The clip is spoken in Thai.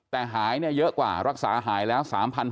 แต่หายเยอะกว่ารักษาหายแล้ว